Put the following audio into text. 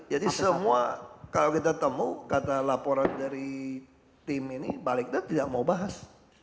jadi semua kalau kita temukan kata laporan dari tim ini balik kita tidak mau bahas